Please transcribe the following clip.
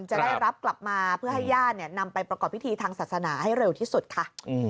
จะได้รับกลับมาเพื่อให้ญาตินำไปประกอบพิธีทางศาสนาให้เร็วที่สุดค่ะ